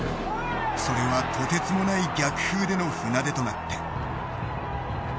それは、とてつもない逆風での船出となった。